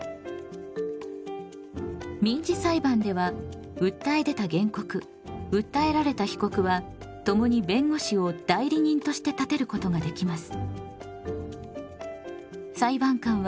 民事裁判では訴え出た原告訴えられた被告は共に弁護士を代理人として立てることができます。